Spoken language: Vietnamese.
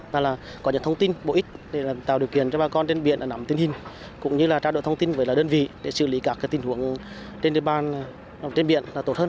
và là có những thông tin bổ ích để tạo điều kiện cho bà con trên biển ở nằm tiên hình cũng như là tra đổi thông tin với đơn vị để xử lý các tình huống trên biển là tốt hơn